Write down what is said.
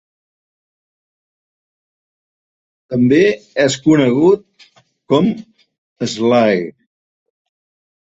També és conegut com Sly.